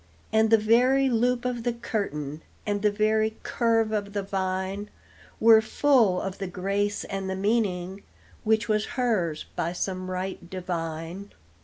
And the very loop of the curtain, And the very curve of the vine, Were full of the grace and the meaning Which was hers by some right divine.